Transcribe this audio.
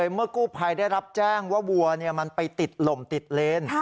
เมื่อกู้ภัยได้รับแจ้งว่าวัวมันไปติดลมติดเลน